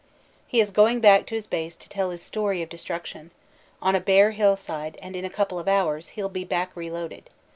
He is going back to his base to tell his story of destruction on a bare hillside and in a couple of hours he ll be back reloaded.